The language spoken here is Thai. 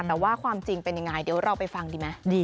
แต่ว่าความจริงเป็นยังไงเดี๋ยวเราไปฟังดีไหม